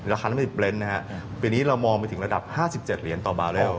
ราคาน้ำมันเป็นเบรนด์นะครับปีนี้เรามองไปถึงระดับ๕๗เหรียญต่อมาแล้ว